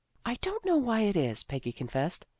" I don't know why it is," Peggy confessed.